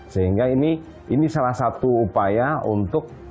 sehingga ini salah satu upaya untuk